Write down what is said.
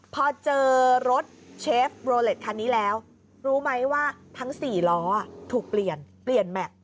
พอเจอรถเชฟโรเล็ตคันนี้แล้วรู้ไหมว่าทั้ง๔ล้อถูกเปลี่ยนเปลี่ยนแม็กซ์